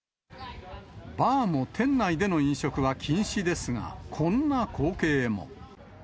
バーも店内での飲食は禁止ですが、こんな光景も。